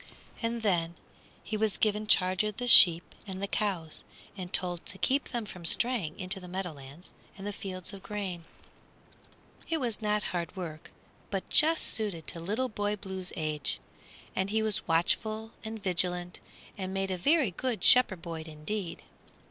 And then he was given charge of the sheep and the cows, and told to keep them from straying into the meadowlands and the fields of grain. It was not hard work, but just suited to Little Boy Blue's age, and he was watchful and vigilant and made a very good shepherd boy indeed.